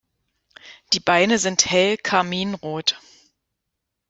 Die Beine sind hell karminrot.